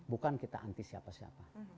bukan kita anti siapa siapa